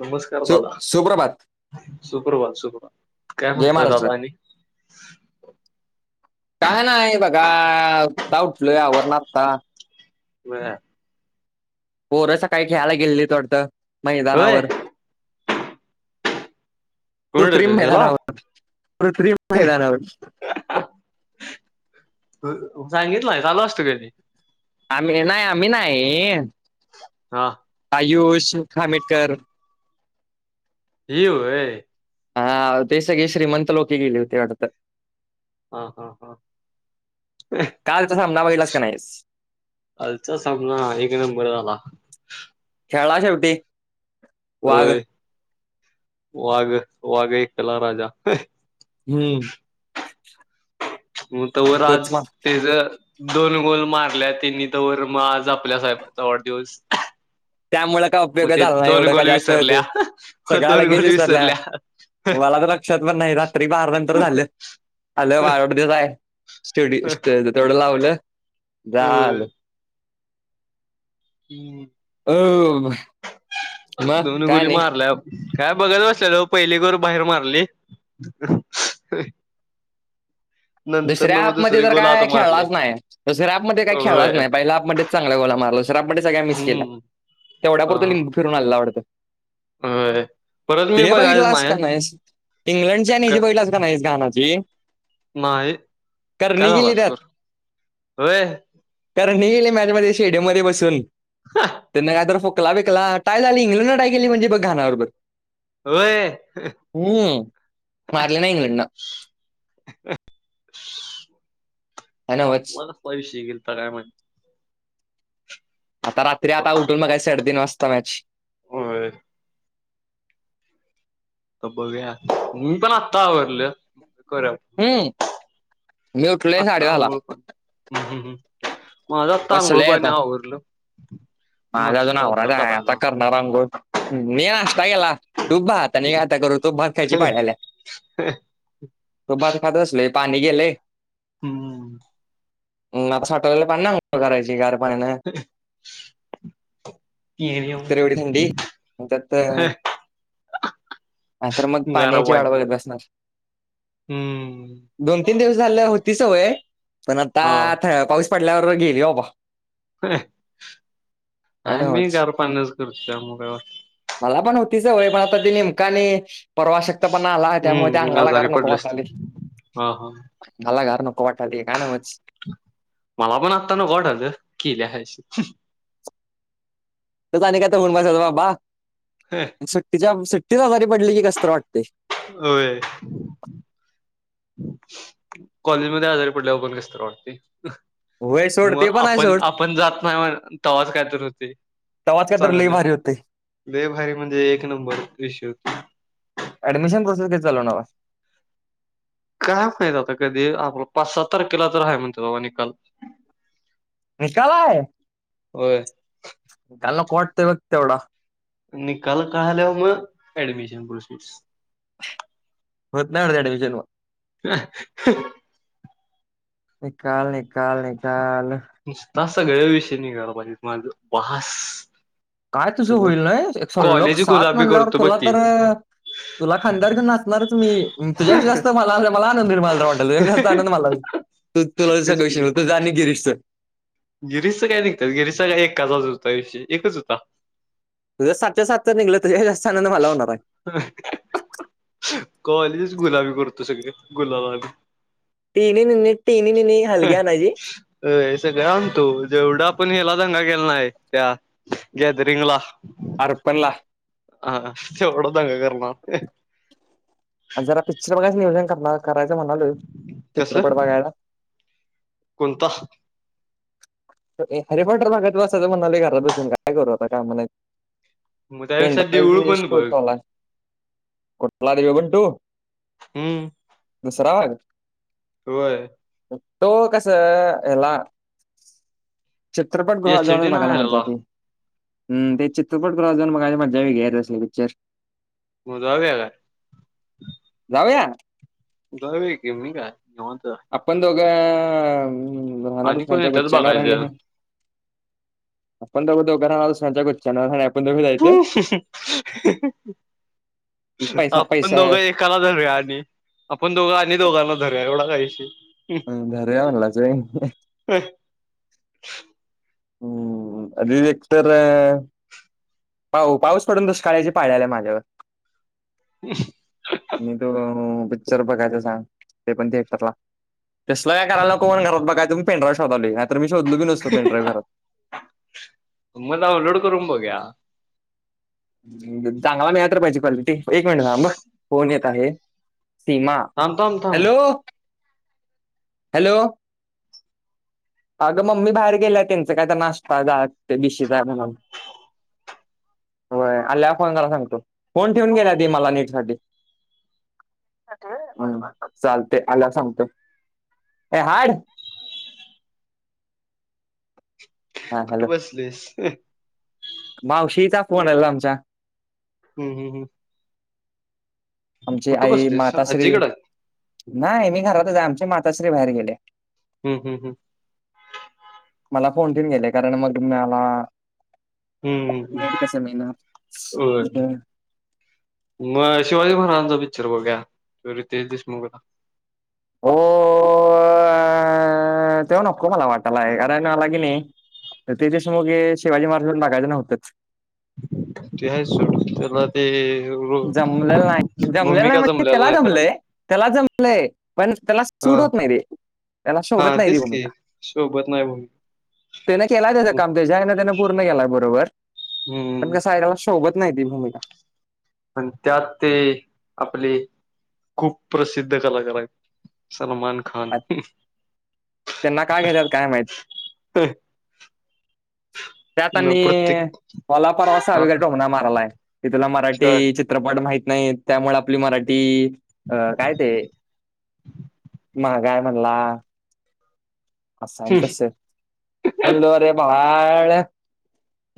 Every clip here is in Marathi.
नमस्कार. दादा सुप्रभात. सुप्रभात, सुप्रभात काय जय म्हणता महाराष्ट्र दादा आणि. काय नाही बघा आता ऊटलो आवरना आता. बरं. पोर सकाळी खेळायला गेलेलीत वाटत होय मैदानावर. कोण रे तू कृत्रिम गेला मैदानावर कृत्रिम मैदानावर. सांगितलंय नायस आलो असतो की. आम्ही नाही आम्ही नाही. हा आयुष खामिटकर. ते व्हय. हा ते सगळे श्रीमंत लोके गेले होते वाटतं. हा हा हा. कालचा सामना बघितलास का नाही. कालचा सामना एक नंबर झाला. खेळला शेवटी. वाघ होय वाघ वाघय कला राजा. हम्म. हो तोवर आज तोच मग त्याच दोन गोल मारल्या त्यांनी तरवर मग आज आपल्या साहेबचा वाढदिवस. त्यामुळ काय उपयोग मग ते झाला नाही दोन एवढं का गोल जास्त विसरल्या ते सगळ्या दोन लगेच गोल विसरल्यात. विसरल्या मला तर लक्षात पण नाही रात्री बार नंतर झालं आलं वाढदिवस आहे. स्टेड तेवढं लावलं झालं. होय. हम् अ मग दोन काय गोली आणि मारल्या काय बघत असल पहिली गोल बाहेर मारले. दुसऱ्या मग दुसरी हाफमध्येध्य तर गोल आत काय मारली खेळलाच नाही. दुसऱ्या हापमध्ये काही खेळलाच होय नाही पहिला हापमध्येच चांगल्या गोला मारल. दुसऱ्या हापमध्ये सगळ्या मिस केल्या. हम्म हा तेवढ्यापुरत लिंबू हा फिरून आणला वाढत. होय परत ते मी हे बघायच बघितलंस का नाही नाहीस इंग्लंडची आणि का हेची बघितला नाहीस का गानाची. नाही. काय करणी झाला गेली त्यात, स्कोर होय करणी केली, म्यॅच स्टेडियम मध्ये बसून. त्यांना काय तर फोकला बेकला टाय झाली इंग्लंड टाय केली म्हणजे बघ घाना बरोबर. होय हम् मारले ना इंग्लंड न. असला नवच कसला विषय केलता काय माहीत. आता रात्री आता उठून मगा साडेतीन वाजता मॅच. होयं. तर बघूया मी पण आत्ता आवरल, म्हणाल करूया फोन. हम्म, मी उठलोय साडे आत्ता दहाला. आंघोळ पण हम्म हम् ह. माझा आंघूळ बसलोय पाणी आता आवरलं मस्त आता करायला. नार अंघोळ मी नाष्टा केला. तू भाता आणि का आता करू तू भात खायची पाड्याला तू भात खात असलो. पाणी गेले. हम्म. ह आता साठवलेला पाण ना करायची गार पाणानं [unintelligible] इ तर एवढी थंडी त्यात ह तर मग गरम पाण्याची वाढ पाणी बत बसणारस. हम्म. दोन तीन दिवस झाल्या होती सवय पण हा. आता पाऊस पडल्यावर गेली हो बाबा. आहे आणि मी होच गार पाणीच करतो त्या मुळं काय वाटत नाही मला पण होतीचवय पण आता ती नेमक आणि परवा शक्त पण आला त्यामुळे ते हम्म आजारी अंगालाग नको पडलेस तू. वाटायलय. हा हा मला घर नको वाटाली काय नव्हच. मला पण आता नको वाटालतं केल्याहाशी. त आणि काय तर होऊन बसायचं बाबा. हा. सुट्टीच्या सुट्टीच आजारी पडली की कसत वाटते. अ. कॉलेजमध्येध्ये आजारी पडल्यावर पण कसत वाट. होय सोड ते मग पण आहे आपण सोड आपण जात नाही म्ह तवाच काय तर होते. तवाज काय तर लई भारी होते. लय भारी म्हणजे एक नंबर इश होती. ऍडमशन प्रसेस कधी चालू होणार. काय माहित आता कधी आपला पाच सात तारखेला तर आहे म्हणते बाबा निकाल निकाल आहे होय निकाल नको वाटतय बघ तेवढा. निकााल कलयावर आम अडमिशन प्रोफीस होत नाही ऍडमिशन ह. न कााल न कााल न कााल. निस्ता सगळ्या विषयी निघायला पाहिजे माझ बास. काय तुझ सगळं होईल नाही एक स लख कॉलेज सात गुलाबी म्हणल्यावर करतो बघ तुला की तर तुला खांदार घन नाचणारच मी तु्या जास्त मला मला आनंद निर्ला वाटल तुझ्याशी जास्त आनंद तेच मला तू तुलागळ की वि तू जा गिरीश. गिरीशचं काय निघतात गिरीशचा का एककाजाच होताषयी एकच होता. तुझर सातच्या सात तर निघलं त जास्त आनंद मला होणार आहे. कॉलेजच गुलाबी करतो सगळे गुलाबाम तीने नि टीन निनी हलग्या ना जी अ. जाणतो जेवढा पण हला दंगा केेला नाहीय त्या गॅदरिंग ला. अर पणला हा तेवढा दंग करणार. जरा पिक्चर बघायचं नियोजन करणार करायचं म्हणालो कसलं चित्रपट बघायला. कोणता? हरे फटर भागात बसायचं म्हणाले घरात बसून काय करू आता का म्हणा. मग त्यापेक्षा देऊळ पेनड्राव्ह श पण बघ होतलाय. कुठला देव बण तू हम्म दुसरा वाग. होय. तो कस हला. चित्रपट गह एस टी जाऊनच नाही बघायला आलेला मजाेते. हम ते चित्रपट क्रस जाऊन मग माज मजा घ्याय अससले पिक्चर मग जाऊ या का? जाऊया? जाऊया की, मी काय? निवांतच आहे. आपण दोघं, राहणार बस आणि कोण स्टॅंडच्या येतात गुच्च्यानवर आणि बघायचं आपण तर दोघं राहणार, दुसर्यांच्या गुच्च्यानवर हाय ना. पैसा आपण पैसा दोघं एक. एकाला धरूया आणि आपण दोघ आणि दोघांना धरूया एवढा काहीशी अ घर या म्हणलाचय. हम. हम्म अ एक तरर. पा पाऊस पडून दष्काळाची पाड्यालाय माझ्यावर [unintelligible] तुम्ही दोघं पिक्चर बघायचा का? ते पण थिएक्टरला. तसलं काय करायला नको, म्हणून घरात बघायचं म्हणून पेनड्राइव शोधायलो. नाही तर मी शोधलं बी नसतो, पेनड्राइव घरात. मग, डाऊनलोड करून बघूया. चांगला, मिळायला तर पाहिजे क्वालिटी. एक मिनिट थांब हं. फोन येत आहे. सीमा, थांब थांब थांब हॅलो. हॅलो. आगं मम्मी बाहेर गेल्या. त्यांचं काय तर, नाश्ता जायाच ते बिशीचा आहे म्हणून. होय, आल्यावर फोन करायला सांगतो. फोन ठेवून गेल्या ती, मला नेट साठी. असं होय, बरं बरं बरं चालते, आल्यावर सांगतो. ए हाट. हा कुठं हॅलो बसलेअस? मावशीचा, फोन आलेला आमच्या. हम्, हम्. आमची कुठे आई, बसलीस मातोश्री. आजीकडं नाही मी घरातच आहे, आमची मातोश्री बाहेर गेलीया. हम्, हम्. मला फोन ठेवून गेलीया. कारण मग मला हम्म नेट कसं मिळणार? होय [inaudible] मग शिवाजी महाराजांचा पिक्चर बघूया तो रितेश देशमुखचा. हो [unintelligible] अं त्यो नको मला वाटालायं कारण मला की नाही रितेश देशमुख हे शिवाजी महाराज म्हणून बघायचं नव्हतंच. ते हायच सोड. त्याला ते रोल जमलेलं नाही. जमलेलं नाही म्हणजे ते त्याला जमलंय. त्याला जमलंय, पण त्याला हा सुट होत नाही रे. त्याला हा शोभत नाही ती तेच भूमिका. की सोबत नाही भूमिका त्यानं केलायं त्याचं काम. त्याच्या ह्यानं त्यान पूर्ण केलाय बरोबर. पण हम्म कसं आहे, त्याला शोभत नाही ती भूमिका. अन त्यात ते आपले खूप प्रसिद्ध कलाकार आहेत. सलमान खान. आता त्यांना काय घेतात काय माहित [inaudible] त्यात न आणि प्रत्येक मला परवा अ, सावेकर टोमणा मारालायं की तुला काय मराठी चि त्रपट माहीत नाहीत. त्यामुळे आपली मराठी अं काय ते [inaudible] मागं आहे म्हणला. असं आहे हम्म तसं. म्हणलं आरे बाळ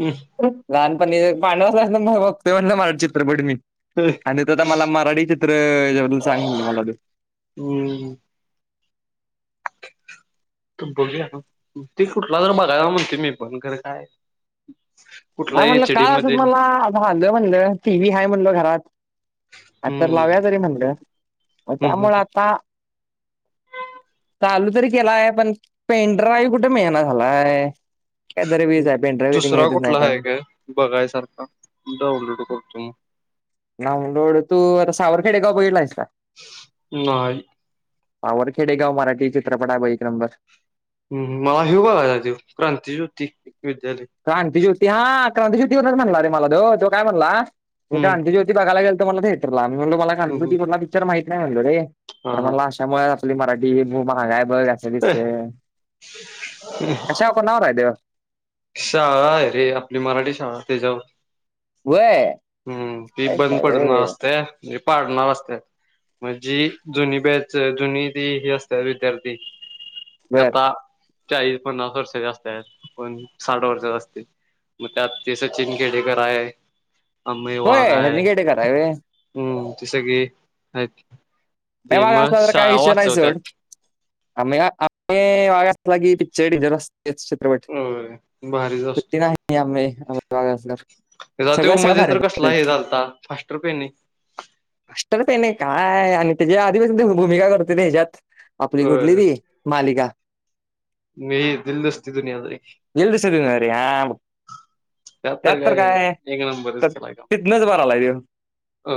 हं. लहानपणी पाळण्यात असल्यापासून मी बघतोय म्हणलं मराठी चित्रपट. हम्म, आणि तू आता मला मराठी चित्र हेच्याबद्दल सांग म्हणलं मला. हम्म. आता बघूया. ते कुठला तर बघायचा म्हणतोय मी पण. खरं काय? कुठला नाही म्हणलं एच डी काल असंच मध्ये म्हणला झालं म्हणलं, टी व्ही हाय म्हणलं घरात. आज तर हम्म लावूया तरी म्हणलं. मग हम्म, हम्म, त्यामुळं आता [inaudible] चालू तरी केलाय पण पेनड्राईव्ह कुठ मिळणा झालाय? काहीतरी वीज आहे पेन ड्राईव्ह इथे मिळतच नाही. काय [unintelligible] बघायच अता डाउनलोड करतो मग. डाऊनलोड तू आता सावरखेड एक गावं बघितला हाईस? नाही. सावरखेड एक गाव. मराठी चित्रपट आहे बघ एक नंबर. हम्म् हम मला ह्यो बघायचाय तो क्रांतीज्योती विद्या क्रांतीज्योती. हा क्रांतीज्योती वरूनच म्हणला रे मला तो. तो काय म्हणला, मी हम्म क्रांतीज्योती बघायला गेलतो म्हणला थिएटरला. मी म्हणलो मला हम्म, हम्म. क्रांतीज्योती मधला पिक्चर माहित नाही म्हणालो रे. हा हा त्यामुळं आपली मराठी ही म भारी हाय बघं हे असं ए, दिसते [inaudible] कशा कोणावर हाय त्यो. शाळा आहे रे, आपली मराठी शाळा त्याच्यावर. व्हय हम्म ती ऐश बंद हाय पडणार व्हय असते. म्हणजे पाडणार असते. म्हणजी जुनी बॅच जुनी ती ही असत विद्यार्थी बर आता चाळीस पन्नास वर्ष जास्त आहेत पण साठ वर्ष असते, मग त्यात ते सचिन खेडेकर आहे. अंमे वाघ होय आहे, सचिन खेडेकर आहे व्हय. हम् तस की आहेत नाही ते माग मग असला तर काही शाळा विषय नाही सोड. वाचवतात आम आम वाग लाग पि्चडी जर अस तेच चित्रपट होय भारीच असतो [unintelligible] चात सगळं सगळं मध्ये भारी तर आहे. कसला हे झालता [unintelligible] कष्टर प नाही काय आणि त्याच्या आधिवासी भूमिका करते हच्यात, आपली कुठली ती? मालिका. दिल दोस्ती दुनियादारी. येईल दुसऱ्या दिवशी अरे हा बघ त्यात तरर काय एक नबरच तर केलाय तो. तिथनच बरा आलाय देव हो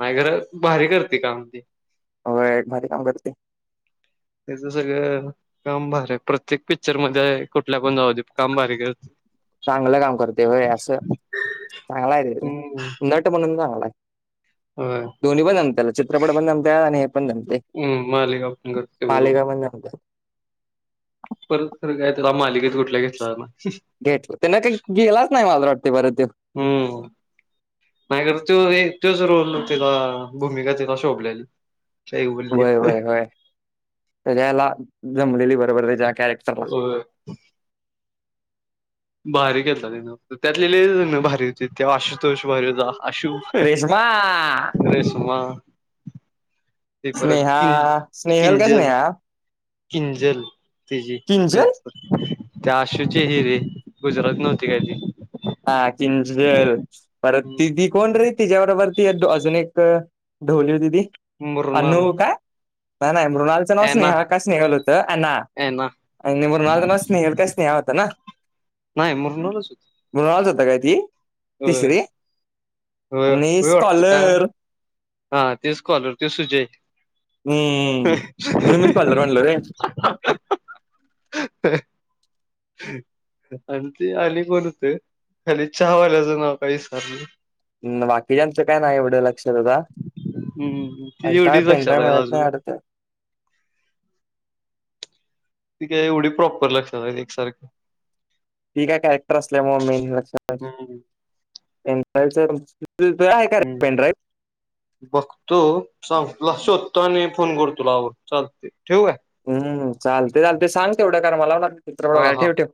नाही घर भारी करते काम ती होय भारी काम करते ती. त्याच सगळं काम भार आहे, प्रत्येक पिक्चर मध्ये कुठल्या पण जाऊ दे काम भारी कर चांगलं काम करते होय असं चांगलं आहे ते हम्म नट म्हणून चांगला आहे. होय दोन्ही पण जमते चित्रपट पण जमते आणि ते हे पणजमतय हम् मालिका. पण करते बरोबर मालिका पण जमते. परत खरं काय त्याला मालिकेत कुठल्या घेतला ना घट ते न काही गेलाच नाही माझ वाटते परत त्यात हम्म नाही कर तो तोच रोल तिला भूमिका तिला शोभलेली. काही बोलली वय वय होय त्याच्याला जमलेली बरोबर त्याच्या करे हो भारी के त्यातलेले भारी होती ते आशुतोष भारी होता आशू रे रेश्मा रेशमा तेपत स्नेहा किन स्नेहल का किंजल स्नेहा किंजल तिची किंचन गर्लफ्रेंड त्या आशूची हिरे गुजरात नव्हती काय ती? हा किंजल परत ती ती कोण रे तिच्या बरोबरती अजून एक ढोली होती ती मुरनाल अन्नु काय नाही नाही मृणालचं नाव एना स्नेहा काय स्नेहल होतं अना एना आणि मृणाल च नाव काय स्नेहल स्नेहा होतं ना? नाही मृणालच होतं. म्हणून मृणालच होतं काय, ती तिसरी होय आणि होय वाटत का स्कॉलर हा ते स् कॉलर ते सुजय. हम्म म्हणूनच स्कॉलर म्हंटलं रे. आणि ती आणि कोण होते अरे चहावाल्याचं नाव काही विसरलो. बाकीच्याचं काय नाही एवढं लक्षात आता. हम्म ती अरे काय एवढीच पेनड्राय लक्षात आहे मिळत नाही अजून अडत. ठीकय एवढी प्रॉपर लक्षात एकसारखं ठीक आहे कारेक्टर असल्यामुळे मेन हम्म तुला आहे का हम्म पेन ड्राव्ह बघतो सांग तुला शोधतो आणि फोन कर तुलावर चालते ठेव आहे. हम चाल ते चालते सांग तेवढं मनावर हा टाक हा ठेवतो.